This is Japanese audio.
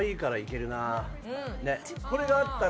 これがあったら。